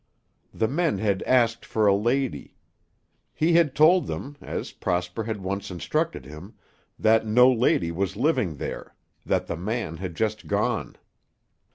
The men had asked for a lady. He had told them, as Prosper had once instructed him, that no lady was living there, that the man had just gone.